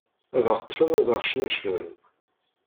Ad aɣ-ṭṭfen ad aɣ-cneclen.